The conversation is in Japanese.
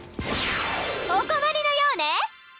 お困りのようね！